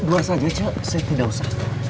dua saja cak saya tidak usah